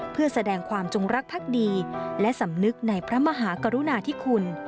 เพื่อแสดงความจงรักภักดีและสำนึกในพระมหากรุณาธิคุณ